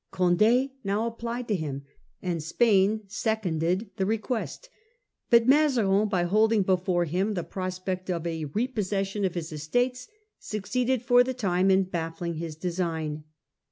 Condd now applied to him, and Spain seconded the request. But Mazarin, by holding before him the prospect of a re possession of his estates, succeeded for the time in baffling this design.